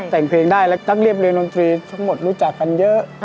แต่งเพลงได้แล้วทั้งเรียบเรียนดนตรีทั้งหมดรู้จักกันเยอะ